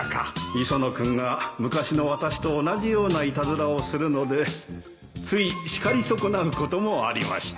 磯野君が昔の私と同じようないたずらをするのでつい叱り損なうこともありまして